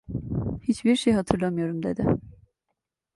Hiçbir şey hatırlamıyorum!' dedi.